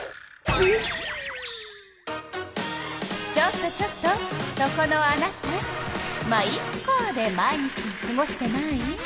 ちょっとちょっとそこのあなた「ま、イッカ」で毎日をすごしてない？